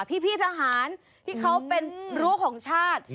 พี่ทหารที่เขาเป็นรู้ของชาติ